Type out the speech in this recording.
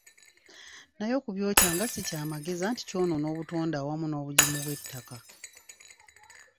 Naye nga okubyokya si kya magezi anti ky‘onoona obutonde awamu n'obugimu bw'ettaka.